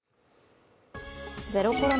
ゼロコロナ